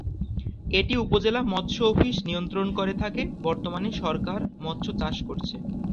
এটি উপজেলা মৎস্য অফিস নিয়ন্ত্রণ করে থাকে বর্তমানে সরকার মৎস চাষ করছে।